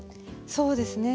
そうですね